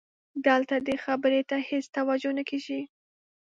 دلته دې خبرې ته هېڅ توجه نه کېږي.